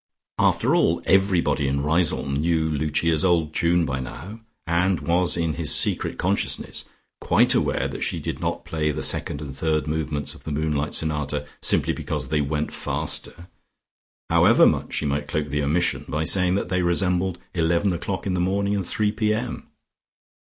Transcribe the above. After all, everybody in Riseholme knew Lucia's old tune by now, and was in his secret consciousness quite aware that she did not play the second and third movements of the Moonlight Sonata, simply because they "went faster," however much she might cloak the omission by saying that they resembled eleven o'clock in the morning and 3 p.m.